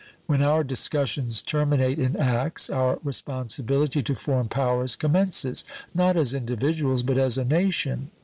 When our discussions terminate in acts, our responsibility to foreign powers commences, not as individuals, but as a nation.